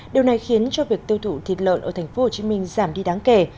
điều này khiến cho việc tiêu thụ thịt lợn ở tp hcm giảm đi đáng kể